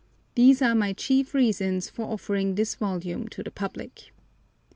These are my chief reasons for offering this volume to the public.